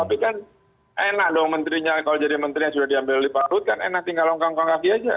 tapi kan enak dong menterinya kalau jadi menteri yang sudah diambil oleh pak luhut kan enak tinggal longgang kongkafi aja